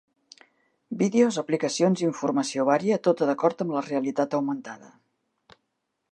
Vídeos, aplicacions i informació vària, tota d'acord amb la realitat augmentada.